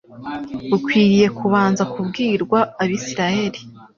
Bukwiriye kubanza kubwirwa Abisiraeli,